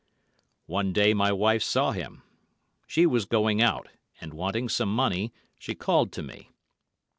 One day my wife saw him. She was going out, and wanting some money, she called to me.